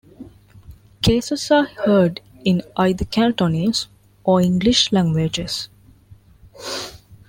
Cases are heard in either the Cantonese or English languages.